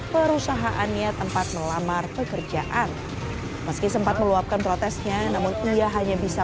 perusahaannya tempat melamar pekerjaan meski sempat meluapkan protesnya namun ia hanya bisa